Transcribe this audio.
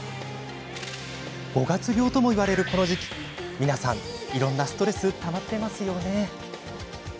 五月病ともいわれるこの時期皆さん、いろんなストレスたまってますよね。